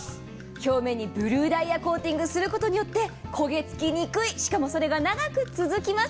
表面にブルーダイヤコーティングすることによって焦げつきにくい、しかもそれが長く続きます。